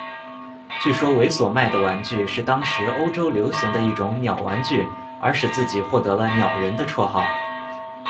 据说维索卖的玩具是当时欧洲流行的一种鸟玩具而使自己获得了「鸟人」的绰号。